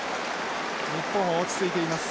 日本は落ち着いています。